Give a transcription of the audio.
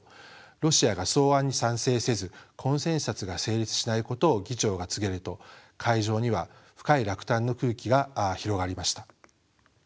ロシアが草案に賛成せずコンセンサスが成立しないことを議長が告げると会場には深い落胆の空気が広がりました。